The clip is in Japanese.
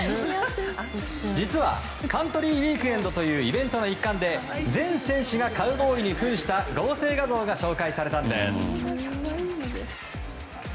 実はカントリー・ウィークエンドというイベントの一環で全選手がカウボーイに扮した合成画像が紹介されたんです。